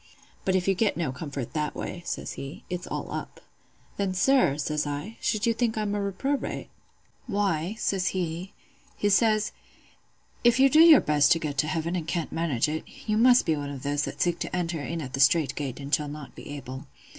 "'But if you get no comfort that way,' says he, 'it's all up.' "'Then, sir,' says I, 'should you think I'm a reprobate?' "'Why,' says he—he says, 'if you do your best to get to heaven and can't manage it, you must be one of those that seek to enter in at the strait gate and shall not be able.